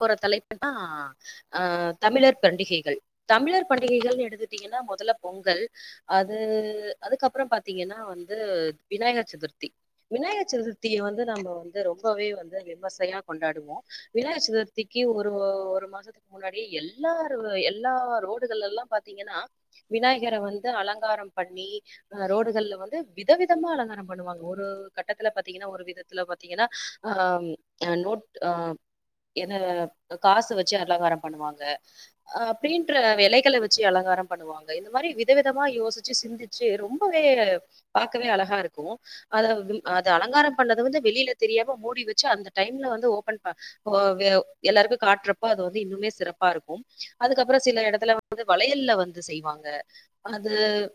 போற தலைப்புதா ஆஹ் ஆஹ் தமிழர் பண்டிகைகள் தமிழர் பண்டிகைகள்னு எடுத்துட்டீங்ன்னா மொதல்ல பொங்கல். அது-அதுக்கப்பறம் பாத்தீங்கன்னா வந்து விநாயக சதுர்த்தி, விநாயக சதுர்த்திய வந்து நம்ம வந்து ரொம்பவே வந்து விமர்சையா கொண்டாடுவோ. விநாயக சதுர்த்தி த்திக்கு ஒரு-ஒரு மாசத்துக்கு முன்னாடி எல்லாரு-எல்லா ரோடுகளெல்லா பாத்தீங்கன்னா விநாயகர வந்து அலங்காரம் பண்ணி அஹ் ரோடுகள்ல வந்து விதவிதமா அலங்காரம் பண்ணுவாங்க ஒரு கட்டத்துல பாத்தீங்கன்னா ஒரு விதத்துல பாத்தீங்கன்னா அஹ்ஹ நோட் அஹ் [unintelligible] காசு வெச்சு அலங்கார பண்ணுவாங்க. அஹ் [unintelligible] எலைகளை வெச்சு அலங்காரம் பண்ணுவாங்க இந்த மாரி விதவிதமா யோசிச்சு சிந்திச்சு ரொம்பவே பாக்கவே அழகா இருக்கோ. அத-அத அலங்காரம் பண்ணது வந்து வெளியில தெரியாம மூடி வச்சு அந்த டைம்ல வந்து ஓபன் ப ஓ வே-எல்லாருக்கு காட்டுறப்ப அது வந்து இன்னுமே சிறப்பா இருக்கு. அதுக்கப்ரோ சில இடத்துல வந்து வளையல்ல வந்து செய்வாங்க. அது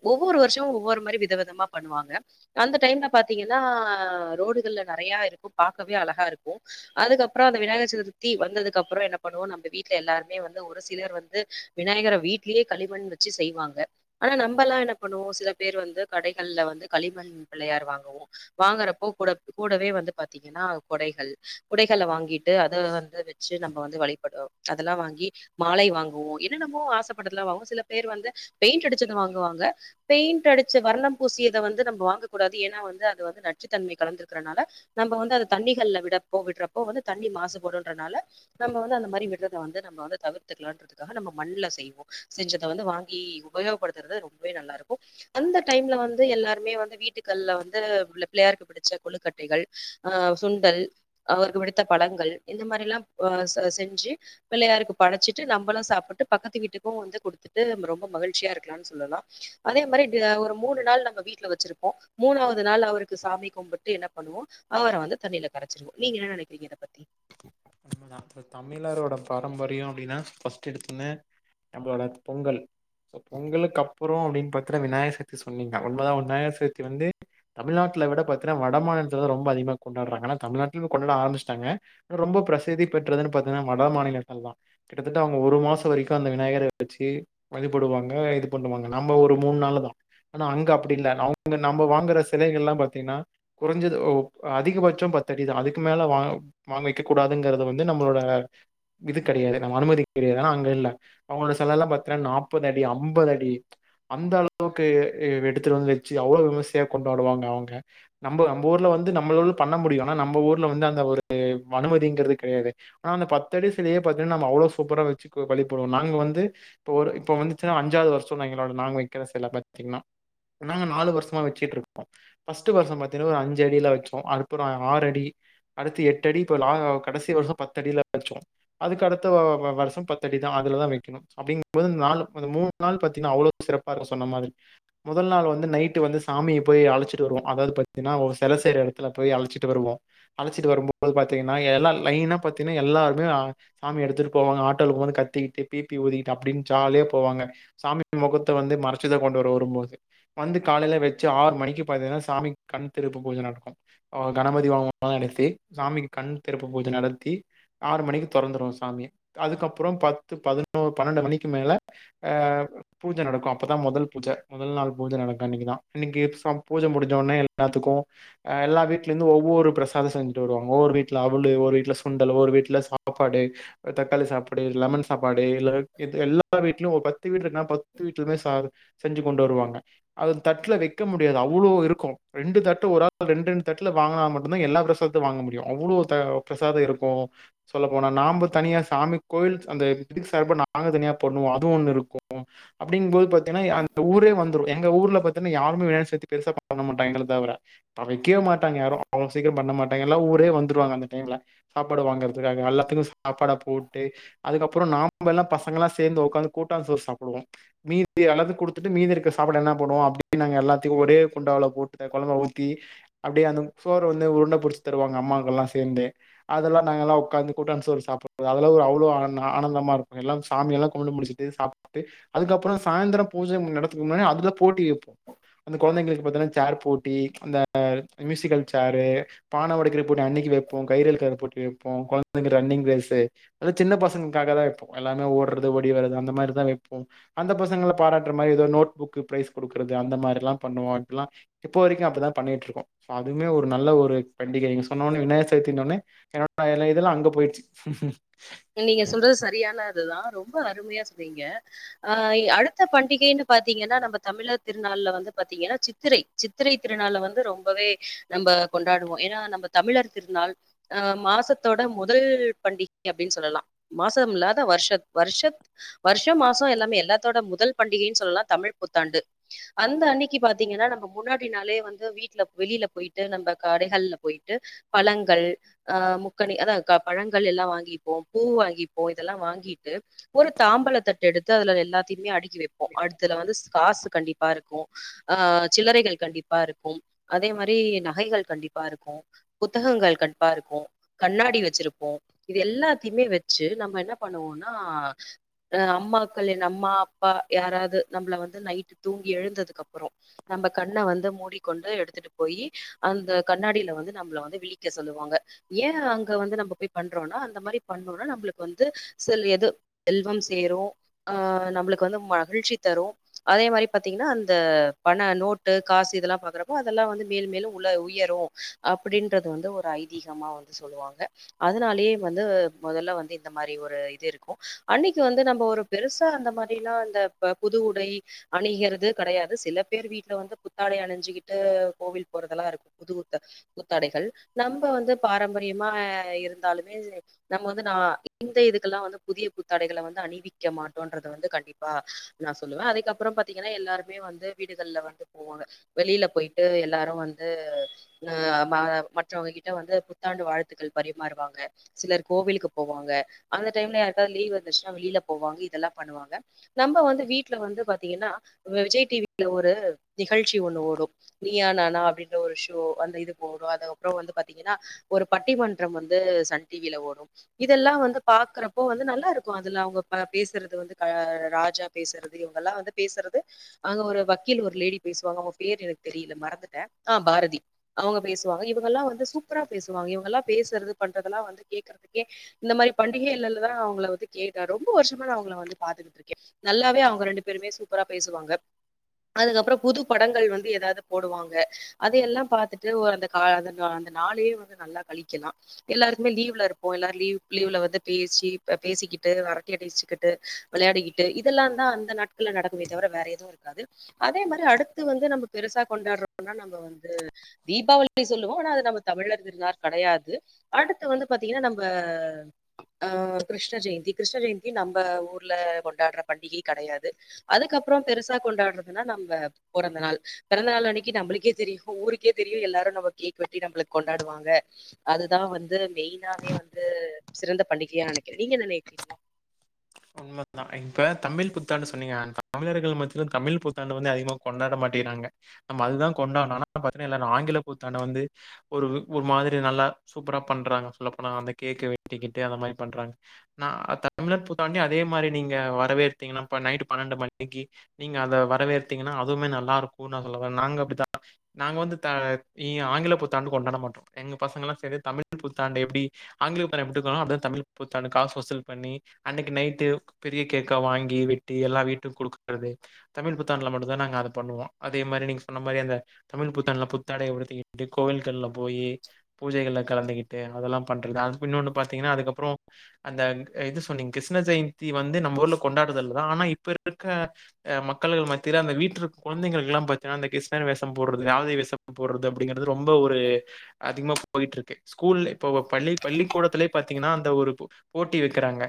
ஒவ்வொரு வருஷமு ஒவ்வொரு மாதிரி விதவிதமா பண்ணுவாங்க. அந்த டைம்ல பாத்தீங்கன்னா ரோடுகள்ல நெறையா இருக்கு பார்க்கவே அழகா இருக்கு அதுக்கப்ரோ அந்த விநாயகர் துர்த்தி வந்ததுக்குப்ற என்ன பண்ணுவோ நம்ப வீட்டுல எல்லாருமே வந்து ஒரு சிலர் வந்து விநாயகர வீட்லயே களிமண் வச்சு செய்வாங்க ஆனா நம்பல்லா என்ன பண்ணுவோ சில பேர் வந்து கடைகள்ல வந்து களிமண் பிள்ளையார் வாங்குவோ வாங்கறப்போ கூட கூடவே வந்து பாத்தீங்கன்னா குடைகள் குடைகள வாங்கி ட்டு அத வந்து வச்சு நம்ம வந்து வழிபடுறோ அதெல்லா வாங்கி மாலை வாங்குவோ என்ன நம்ம ஆசைப்பட்டதுலா வாங்குவோ சில பேர் வந்து பெயிண்ட் அடிச்சத வாங்குவாங்க பெயிண்ட் அடிச்ச வர்ணம் பூசியத வந்து நம்போ வாங்கக்கூடாது ஏன்னா வந்து அது வந்து நச்சுத்தன்மை கலந்துக்கறனால நம்ம வந்து அந்த தண்ணிகள்ல விடப்போ விடுறப்போ வந்து தண்ணி மாசுபடுன்றனால நம்ம வந்து அந்த மாரி விடுறத வந்து நம்ம வந்து தவிர்த்துக்கலாறதுக்காக நம்ம மண்ல செய்வோ செஞ்சத வந்து வாங்கி உபயோகப்படுத்துறது ரொம்பவே நல்லா இருக்கு அந்த டைம்ல வந்து எல்லாருமே வந்து வீட்டுக்கல்ல வந்து பிள்ளையாருக்கு பிடிச்ச கொழுக்கட்டைகள் ஆஹ்ன் சுண்டல் அவருக்கு பிடித் த்த பழங்கள் இந்த மாரிலாம் ப அ செஞ்சு பிள்ளையாருக்கு படச்சிட்டு நம்மலு சாப்பிட்டு பக்கத்து வீட்டுக்கும் வந்து கொடுத்துட்டு ரொம்ப மகிழ்ச்சியா இருக்கலானு சொல்லலா அதே மாரி ட ஒரு மூணு நாள் நம்ம வீட்ல வச்சிருப்போம் மூணாவது நாள் அவருக்கு சாமி கும்பிட்டு என்ன பண்ணுவோ அவர வந்து தண்ணில கரச்சிருவோ நீங்க என்ன நெனைக் றீங்க இத பத் நம்ம தமிழரோட பாரம்பரியம் அப்டின்னா ஃபர்ஸ்ட் எடுத்தோன்ன நம்மளோட பொங்கல் பொங்கலுக்கப்றம் அப்டின்னு பாத்தன்னா விநாயகர் சதூர்த்தி சொன்னீங்க உண்மதா விநாயகர் சதுர்த்தி வந்து தமிழ்நாட்ல விட பாத்தின்னா வட மாநிலத்லதா ரொம்ப அதிகமா கொண்டாடுறாங்க ஆனா தமிழ்நாட்டுலயு கொண்டாட ஆரம்பிச்சுட்டாங்க ரொம்ப பிரசதி பெற்றதுன்னு பாத்தன்னா வட மாநிலங்கள் தான் கிட்டத்தட்ட அவுங்க ஒரு மாசம் வரைக்கும் அந்த விநாயகரை வச்சி வழிபடுவாங்க இது பண்ணுவாங்க நம்ம ஒரு மூணு நாளு தான் ஆனா அங்க அப்டி இல்லை அவங்க நம்ம வாங்குற சிலைகள் எல்லாம் பாத்தீங்கன்னா குறைஞ்சது ஒ அதிகபட்சம் பத்தடிதான் அதுக்கு மேல வா வாங்கி வைக்கக் கூடாதுங்கறது வந்து நம்மளோட இது கிடையாது நம்ம அனுமதி கிடையாது ஆனா அங்க இல்ல அவங்களோட செலலாம் பாத்தா நாப்பது அடி அம்பது அடி அந்த அளவுக்கு எ எடுத்துட்டு வந்து வச்சு அவ்ளவு விமர்சையா கொண்டாடுவாங்க அவுங்க நம்ப நம்ப ஊர்ல வந்து நம்மலாலு பண்ண முடியும் ஆனா நம்ம ஊர்ல வந்து அந்த ஒரு எ அனுமதிங்கிறது கெடையாது ஆனா அந்த பத்து அடி சிலையே பா்த்தீங்கன்னா நம்ம அவ்ளோ சூப்பரா வெச்சு வழிபடுவோ நாங்க வந்து இப்ப ஒரு இப்ப வந்துச்சுன்னா அஞ்சாவது வருஷோனு நெனக்கிறோ நாங்க வெக்கிற சில பாத்தீங்கன்னா ஏனா நாங்க நாலு வருஷமா வெச்சுட்டு இருக்கோ ஃபர்ஸ்ட் வருஷோ பாத்தீங்கன்னா ஒரு அஞ்சு அடில வெச்சோ அப்றோ ஆறு அடி அடுத்து எட் [unintelligible] கடைசி வருஷம் பத்தடில வச்சோம் அதுக்கு அடுத்த வருஷம் பத்தடி தான் அதுலதான் வைக்கணும் அப்டிங்போது நாலு அந்த மூணு நாள் பத்தினா அவ்ளோ சிறப்பாஇருக்கு சொன்ன மாறி முதல் நாள் வந்து நைட் வந்து சாமிய போய் அழைச்சிட்டு வருவோ அதாது பத்தினா ஒரு செல செய்ற இடத்துல போய் அழச்சிட்டு வருவோம் அழைச்சி வரும் பாத்தீங்கன்னா எல்லா லைனா பாத்தீங்கன்னா எல்லாருமே சாமி எடுத்துிட்டு போவாங்க ஆட்டோக்கும்ப கத்திக்கிட்டு பீபி ஊதக்கிட்டு அப்படின்னு சாலே போவாங்க சாமி முகத்தை வந்து மறைச்சதை கொண்டு வர வரும்போது வந்து காலையில வச்சு ஆறு மணிக்கு பாத்தீங்கன்னா சாமி கண் திருப்பு பூஜை நடக்கும் கணபதி வாங்க மாணிசி சாமிக்கு கண் திறப்பு பூஜ நடத்தி ஆறு மணிக்கு தெறந்துரு சாமி அதுக்கப்புறம் பத்து பதினோரு பன்னெண்டு மணிக்கு மேல ஹ பூஜ நடக்கும் அப்பதா முதல் பூஜ முதல் நாள் பூஜ நடக்கும் அன்னிக்குதா அன்னிக்கு சாமி பூஜ முடிச்சோனே எல்லாத்துக்கு எல்லா வீட்ல இருந்து ஒவ்வொரு பிரசாதம் செஞ்ச ஒரு வீட்ல அவுளு ஒரு வீட்ல சுண்டலு ஒரு வீட்ல சாப்பாடு தக்காளி சாப்பாடு லெமன் சாப்பாடு இல்லனா பத்து வீட்லனா பத்து வீட்லயிருந்து சாப்பாடு செஞ்சு கொண்டு வருவாங்க அத தட்டுல வைக்க முடியாது அவ்ளோ இருக்கு ரெண்டு்தட்டு ஒரு ஆள் ரெண்டு ரெண்டு தட்டுல வாங்குனா மட்டும்தா எல் வாங்க முடியு அவ்ளோ பிரசாதம் இருக்கு சொல்லபோனா நாம்ப தனியா சாமி கோவில் அந்த [unintelligible] நாங்க ஒன்னு பண்ணுவே அப்டிங்கும்போது அந்த ஊரே வந்து எங்க ஊர்ல பத்தன்னா யாருமே வே சேத்து பெருசா பண்ண மாட்டாங்க எங்கள தவிற அ வெக்கவே மாட்டாங்க யாரு அவள சீக்கற பண்ண மாட் அ எல்லா ஊரே வந்துடுவாங்க அந்த டைம்ல சாப்பாடு வாங்கறதுக்காக எல்லாத்துக்கு சாப்பாட போட்டு அதுக்கப்புறோ நாம்பல்லா பசங்க எல்லா சேர்ந்து உக்காந்து கூட்டா சோறு சாப்புடுவோ மீதி எல்லாத்துக்ககு கொடுத்துட்டு மீதி இருக்க சாப்பாடு என்ன போடுவொ அப்டியே நாங்க எல்லாத்துக்கு ஒரே குண்டாவ்ல போட்டு கொழம்ப ஊத்தி அப்டியே அந்த சோறு வந்து உருண்ட புடிச் தருவாங்க அம்மாக்கெல்லா சேந்து அதெல்லா நாங்க எல்லா உட்காந்து கூட்டான் சோறு சாப்பிட்றது அதெல்லாம் ஒரு அவ்ளோ ஆனந்தமா இருப்போ எல்லா சாமிய எல்லாம் கும்பிட்டு முடிச்சுட்டு சாப்பிட்டு அதுக்கப்புறம் சாயந்தரம் பூஜை நடத்துரதுக்கு முன்னாடி அதுல போட்டி வைப்போம் அந்த கெழந்தைங்களுக்கு பாத்தீங்கன்னா சேர் போட்டி அந்த மியூசிக்கல் சேரு பான உடைக்கிற போட்டி அன்னைக்கி வைப்போ கையிறு இழுக்குறபோட்டி வைப்போ கொழந்தைங்க ரன்னிங் ரேஸு அது சின்ன பசங்கக்காக தா வைபாபோ எல்லாமே ஓடுறது ஓடி வர்றது அந்த மாரி தா வைப்போ அந்த பசங்கள பாராட்டுற மாரி ஏதோ நோட் புக் ப்ரைஸ் கொடுக்குறது அந்த மாதிரிலா பண்ணுவோ இப்டிலா இப்போ வரைக்கு அப்டிதா பண்ணிட்டுருக்கோ ஸோ அதுவுமே ஒரு நல்ல ஒரு பண்டிகை நீங்க சொன்னோடன்னே விநாயக சதுதின உனே என்னோட இதெல்லா அங்க போயிடுச்சு துதான் ரொம்ப அருமையா சொன்னீங்க அஹ் அடுத்த பண்டிகைன்னு பாாரத்தீங்கன்னா நம்ம தமிழர் திருநாள்ல வந்து பாத்தீங்கன்னா சித்திரை சித்திரை திருநாள்ல வந்து ரொம்பவே நம்ம கொண்டாடுவோம் ஏன்னா நம்ம தமிழர் திருநாள் அஹ் மாசத்தோட முதல் பண்டிகை அப்டின்னு சொல்லலா மாசம் இல்லாத வருஷத் வருஷத் வருஷம் மாசம் எல்லாமே எல்லாத்தோட முதல் பண்டிகைன்னு சொல்லலா தமிழ் புத்தாண்டு அந்த அன்னிக்கு பாத்தீங்கன்னா நம்ம முன்னாடி நாளே வந்து வீட்டுல வெளியில போயிட்டு நம்ப கடைகள்ல போயிட்டு பழங்கள் அஹ் முக்கணி அதா க பழங்கள் எல்லா வாங்கி போ பூ வாங்கிப்போ இதெல்லா வாங்கிட்டு ஒரு தாம்பல தட்டு எடுத்து அதுல எல்லாத்தையுமே அடிக் வைப்போ அடுத்துல வந்து காசு கண்டிப்ப இரு ஆஹ் சில்லறைகள் கண்டிப்பா இருக்கும் அதே மாரி நகைகள் கண்டிப்பா இருக்கு புத்தகங்கள் கண்டிப்பா இருக்கு கண்ணாடி வெச்சிருப்போ இது எல்லா த்தம வச்சு நம்ம என்ன பண்ணுவோம்னா ஹ அம்மாக்கள் என் அம்மா அப்பா யாராவது நம்மள வந்து நைட்டு தூங்கி எழுந்ததுக்கு அப்புறம் நம்ம கண்ணை வந்து மூடிக்கொண்டு எடுத்துட்டு போய் அந்த கண்ணாடியில வந்து நம்மளை வந்து விழிக்க சொல்லுவாங்க ஏன் அங்க வந்து நம்ம போய் பண்றோம்னா அந்த மாதரி பண்ணோனா நம்பளுக்கு வந்து செல் எது செல்வம் சேரு ஆஹ் நம்மளுக்கு வந்து மகிழ்ச்சி தரு அதே மாரி பாத்தீங்கன்னா அந்த பண நோட்டு காசு இதெல்லா பாக்கறப்போ அதெல்லா வந்து மேல் மேலு உள்ள உயரு அப்டின்றது வந்து ஒரு ஐதீகமா வந்து சொல்லுவாங்க அதனாலயே வந்து முதல்ல வந்து இந்த மாரி ஒரு இது இருக்கும் அன்னிக்கு வந்து நம்ம ஒரு பெருசா அந்த மாரி எல்லா இந்த புது உடை அணிகிறது கெடையாது சில பேர் வீட்ல வந்து புத்தாடை அணிஞ்சிகிட்டு கோவில் போறதெல்லாம் இருக்கும் புது புத்தாடைகள் நம்ம வந்து பாரம்பரியமா இருந்தாலுமே நம்ம வந்து நா இந்த இதுக்கெல்லா வந்து புதிய புத்தாடைகள வந்து அணிவிக்க மாட்டோன்றத வந்து கண்டிப்பா நா சொல்லுவே அதுக்கப்புறோ பாத்தீங்கன்னா எல்லாருமே வந்து வீடுகள்ல வந்து போவாங்க வெளியில போயிட்டு எல்லாரு வந்து அஹ் மா மற்றவங்க கிட்ட வந்து புத்தாண்டு வாழ்த்துக்கள் பரிமாறுவாங்க சிலர் கோவிலுக்கு போவாங்க அந்த டைம்ல யார்க்காவது லீவ் வந்துச்சுன்னா வெளியில போவாங்க இதெல்லா பண்ணுவாங்க நம்ப வந்து வீட்டுல வந்து பாத்தீங்கன்னா வ விஜய் டிவியில ஒரு நிகழ்ச்சி ஒண்ணு ஓடு நீயா நானா அப்டின்ற ஒரு ஷோ அந்த இது போடுவொ அதுக்கப்புறோ வந்து பாத்தீங்கன்னா ஒரு பட்டிமன்றம் வந்து சன் டிவில ஓ இதெல்லா வந்து பாக்குறப்போ வந்து நல்லா இருக்கு அதுல அவங்க பேசுறது வந்து ராஜா பேசுறது இவங்க எல்லா வந்து பேசுறது அங்க ஒரு வக்கீல் ஒரு லேடி பேசுவாங்க அவங்க பேர் எனக்கு தெரில மறந்துட்ட ஆஹ் பாரதி அவங்க பேசுவாங்க இவங்க எல்லா வந்து சூப்பரா பேசுவாங்க இவங்க எல்லா பேசுறது பண்றதெல்லா வந்து கேக்குறதுக்கு கெ இந்த மாரி பண்டிகைளதா அவங்கள வந்து கேக ரொம்ப வருஷமா நா அவங்கள வந்து பாத்துட்டு இருக்கே நல்லாவே அவங்க ரெண்டு பேருமே சூப்பரா பேசுவாங்க அதுக்கப்புறோ புது படங்கள் வந்து ஏதாவது போடுவாங்க அதையெல்லா பாத்துட்டு ஒரு அந்த கா அந்த கா அந்த நாளயே வந்து நல்லா கழிக்கலா எல்லாருக்குமே லீவ்ல இரு ஓ எல்லாரு லீ்வ் லீவ்ல வந்து பேசி பேசிக்கிட்டு வரட்ட அடிச்சுக்கிட்டு வெளையாடிக்கிட்டு இதெல்லா தா அந்த நாட்கள்ல நடக்குமே தவிர வேற எதுவு இருக்காது அதே மாரி அடுத்து வந்து நம்ம பெருசா கொண்டாடுறோனா நம்ப வந்து தீபாவளி சொல்லுவோ ஆனா அது நம்ம தமிழர் திருனார் கெடையாது அடுத்து வந்து ப நமஹ கிருஷ்ண ஜெயந்தி கிருஷ்ண ஜெயந்தியும் நம்ம ஊர்ல கொண்டாடுற பண்டிகை கிடையாது அதுக்கப்புறம் பெருசா கொண்டாடுறதுனா நம்ம பிறந்த நாள் பிறந்த நாள் அன்னைக்கு நம்மளுக்கே தெரியும் ஊருக்கே தெரியும் எாரும் ந கேக் வெட்டி ந கொண்டாடுவாங்க அதுதான் வந்து மெயின் வே வந்து சிறந்த பண்டிகையா நினைக்கிற நீங்க என்ன நினைக்கிங்க உண்மை தா இப்ப தமிழ் புத்தாண்டு சொன்னீங்க தமிழர்கள் மத்தியிலும் தமிழ் புத்தாண்டு வந்து அதிகமா கொண்டாட மாட்டிங்குறாங்க நம்ம அதுதா கொண்டாடணு ஆனா பாத்தினா ஆங்கில புத்தாண்டை வந்து ஒரு ஒரு மாதிரி நல்லா சூப்பரா பண்றாங்க சொல்ல போனாங்க அந்த கேக்க வெட்டிக்கிட்டு அந்த மாரி பண்றாங்க ஆனா தமிழர் புத்தாண்டயுமே அதே மாரி நீங்க வரவேத்தீங்கன்னா இப்ப நைட்டு பன்னெண்டு மணிக்கு நீங்க அத வரவேர்த்தீங்கன்னா அதுவுமே நல்லா இருக்கு நாங்க அப்டித்தா நாங்க வந்து ஆங்கில புத்தாண்டு கொண்டாட மாட்டோ எங்க பசங்க எல்லாம் செரி தமிழ் புத்தாண்டு எப்டி ஆங்கில புத்தாண்ட எப்டிாலும் அப்டிதா தமிழ் புத்தாண்டு காசு வசுல் பண்ணி அன்னைக்கு நைட்டு பெரிய கேக்கா வாங்கி வெட்டி எல்லா வீட்டுக் கொடுக்குறது தமிழ் புத்தாண்ட்ல மட்டுதா நாங்க அத பண்ணுவோ அதே மாரி நீங்க சொன்ன மாரி அந்த தமிழ் புத்தாண்டுல புத்தாடைய உடுத்திக்கிட்டு கோவில்கள்ல போயி பூஜைகள்ல கலந்துக்கிட்டு அதெல்லா பண்றது அது இன்னொன்னு பாத்தீங்கன்னா அதுக்கப்புறோ அந்த இதுச் சொன்னீங்க கிருஷ்ண ஜெயந்தி வந்து நம்ம ஊர்ல கொண்டாடுறல்லதான் ஆனா இப்ப இருக்க மக்கள் மத்திர அந்த வீட்டு குழந்தைங்களுக்கு எல்லாம் பார்த்தீங்கன்னா அந்த கிருஷ்ண வேஷம் போடுறது யாவை வேஷம் போடுறது அப்படிங்கறிறது ரொம்ப ஒரு அதிகமாக போயிட்டு இருக்கு ஸ்கூல் இப்போ பள்ளி பள்ளிக்கூடத்துிலயே பாார்த்தீங்கன்னா அந்த ஒரு போட்டி வைக்கிறாங்க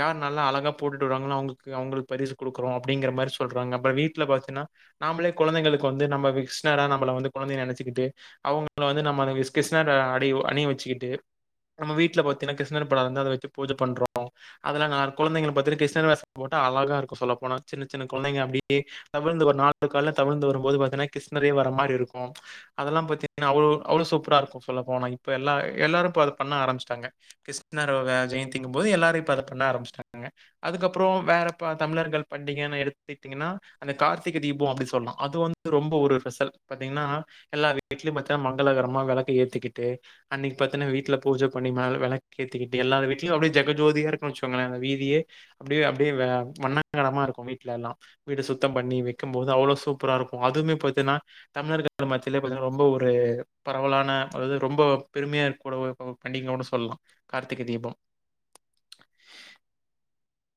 யார் நல்லா அழகா போட்டுட்டு வறாங்களோ அவங்களுக்கு அவங்களுக்கு பரிசு குடுக்குறோ அப்படிங்கிற மாரி சொல்றாங்க அப்பறோ வீட்டுல பாத்தீங்கன்னா நாமளே கொழந்தைங்களுக்கு வந்து நம்ம கிருஷ்ணரா நம்மள வந்து கொழந்தைய நெனைச்சுக்கிட்டு அவங்க வந்து நம்மல கிருஷ்ணரே ஆடையு அணியி வெச்சுக்குட்டு நம்ம வீட்டுல பாத்தீன்னா கிருஷ்ணர் படோ இருந்தா அத வெச்சு பூஜ பண்றோ அதெல்லா நா கொழந்தைங்கள பாத்திரு கிருஷ்ணர் வேஷோ போட்டா அழகா இருக்கு சொல்ல போனா சின்ன சின்ன கொழந்தைங்க அப்டியே தவழ்ந்து ஒரு நாலு கால தவழ்ந்து வரும் போது பாத்தீங்கன்னா கிருஷ்ணரே வர மாரி இருக்கு அதெல்லா பாத்தீங்கனா அவ்ளோ அவ்ளோ சூப்பரா இருக்கு சொல்ல போனா இப்ப எல்லா எல்லாரு இப்ப அத பண்ண ஆரம்பிச்சிட்டாங்க கிருஷ்ணரொ வெ ஜெயந்திங்கு போது எல்லாரு இப்ப அத பண்ண ஆரம்ச்சுட்டாங்க அதுக்கப்பறோ வேற ப தமிழர்கள் பண்டிகைன்ன எடுத்துட்டீங்கன்னா அந்த கார்த்திகை தீபம் அப்பின்னு சொல்லலா அது வந்து ரொம்ப ஒரு ஸ்பெஷல் பாத்தீங்கன்னா எல்லார் வீட்லயு பாத்தீன்னா மங்களகரமா வெளக்கே ஏத்திக்கிட்டு அன்னைக்கு பாத்தீங்கன்னா வீட்டுல பூஜே பண்ணி மே வெளக் ஏத்திக்கிட்டு எல்லார் வீட்லயு அப்டியே ஜெக ஜோதியா இருக்குன்னு வெச்சோங்களே அந்த வீதியே அப்படியே அப்படியே வெ வண்ண நெறமா இருக்கு வீட்டுல எல்லா வீட்ட சுத்தோ பண்ணி வெக்கும்போது அவ்வளோ சூப்பரா இருக்கு அதுவுமே பாத்தீன்னா தமிழர்கள் மத்தியிலே பாத்தியன்னா ரொம்ப ஒரு பரவலான அதாவது ரொம்ப பெருமையா இருக்க கூட ஒ ஒ பண்டிகைன்னு சொல்லாம் கார்த்திகை தீபம்